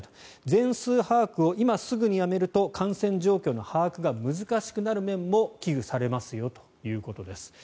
全数把握を今すぐにやめると感染状況の把握が難しくなる面も危惧されますよということです。